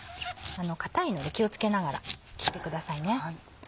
硬いので気を付けながら切ってくださいね。